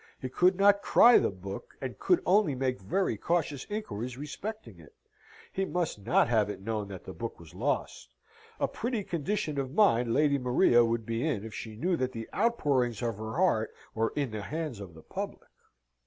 He could not cry the book, and could only make very cautious inquiries respecting it. He must not have it known that the book was lost. A pretty condition of mind Lady Maria Esmond would be in, if she knew that the outpourings of her heart were in the hands of the public!